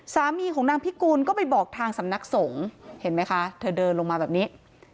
สามีของนางพิกูลก็ไปบอกทางสำนักสงฆ์เห็นไหมคะเธอเดินลงมาแบบนี้